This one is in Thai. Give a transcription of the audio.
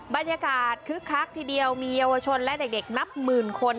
บรรยากาศคึกคักทีเดียวมีเยาวชนและเด็กนับหมื่นคน